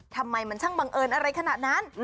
ทำไมมันช่างบังเอิญอะไรขนาดนั้น